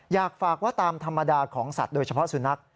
อยากฝากว่าตามธรรมดาของสัตว์โดยเฉพาะสุนัข